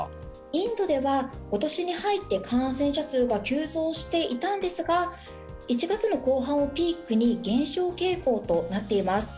インドでは今年に入って感染者数が急増していたんですが１月の後半をピークに減少傾向となっています。